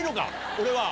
これは。